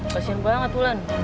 kasian banget wulan